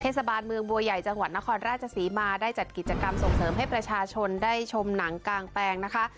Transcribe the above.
เทศบาลเมืองบัวใหญ่จังหวัดนครราชศรีมาได้จัดกิจกรรมส่งเสริมให้ประชาชนได้ชมหนังกางแปลงนะคะ